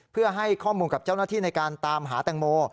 เพื่อให้ข้อมูลกับเจ้าหน้าที่ในการตามหาแตงโม